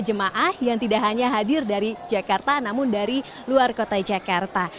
jemaah yang tidak hanya hadir dari jakarta namun dari luar kota jakarta